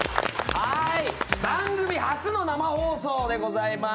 番組初の生放送でございます。